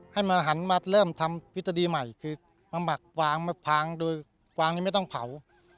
ให้มาหันมาเริ่มทำพิธีใหม่คือมาหมักวางโดยกวางนี้ไม่ต้องเผา